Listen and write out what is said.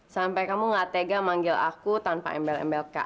sampai kamu gak tega manggil aku tanpa embel embel k